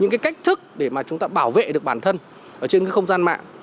những cái cách thức để mà chúng ta bảo vệ được bản thân trên cái không gian mạng